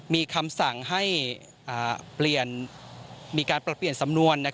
มีคำสั่งให้มีการปรับเปลี่ยนสำนวน